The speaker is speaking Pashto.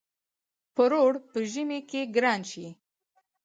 پروړ په ژمی کی ګران شی.